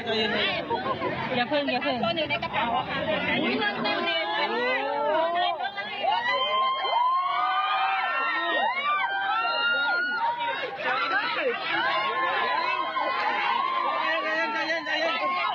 ทุกคนรับทางหน้าสู่สดทีที่หลับสุดท้ายก็จะเห็นเครื่องแบบนี้